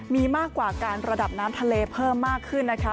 มีมากกว่าการระดับน้ำทะเลเพิ่มมากขึ้นนะคะ